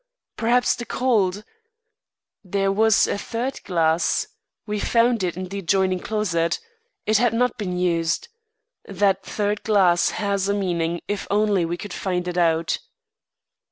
"Perhaps the cold " "There was a third glass. We found it in the adjoining closet. It had not been used. That third glass has a meaning if only we could find it out."